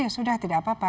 ya sudah tidak apa apa